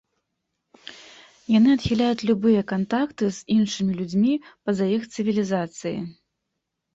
Яны адхіляюць любыя кантакты з іншымі людзьмі па-за іх цывілізацыі.